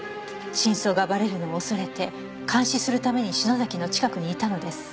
「真相がばれるのを恐れて監視するために篠崎の近くにいたのです」